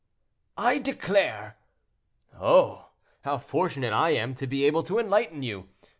"I declare—" "Oh! how fortunate I am to be able to enlighten you.